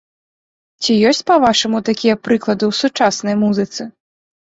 Ці ёсць па-вашаму такія прыклады ў сучаснай музыцы?